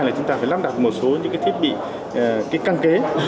thứ bốn là chúng ta phải lắp đặt một số những cái thiết bị cái căng kế